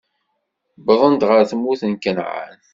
Wwḍen ɣer tmurt n Kanɛan.